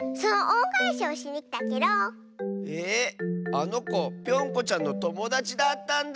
あのこぴょんこちゃんのともだちだったんだ。